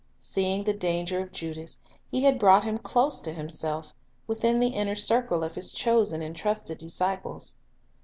Seeing the danger of Judas, He had brought him close to Himself, within the inner circle of His chosen and trusted disciples.